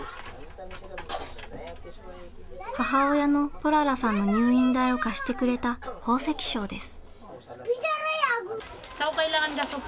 母親のポララさんの入院代を貸してくれた宝石商です。